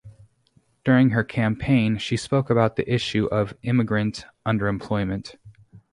During her campaign she spoke about the issue of immigrant underemployment.